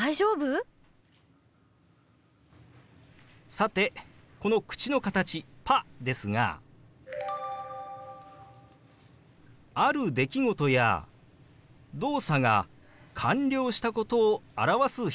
さてこの口の形「パ」ですがある出来事や動作が完了したことを表す表現なんです。